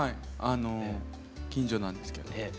あの近所なんですけれど。